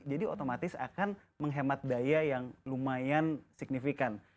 jadi otomatis akan menghemat daya yang lumayan signifikan